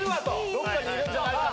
どっかにいるんじゃないか。